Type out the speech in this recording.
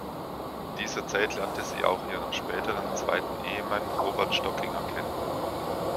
In dieser Zeit lernte sie auch ihren späteren zweiten Ehemann Robert Stockinger kennen.